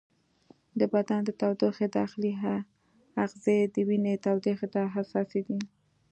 د بدن د تودوخې داخلي آخذې د وینې تودوخې ته حساسې دي.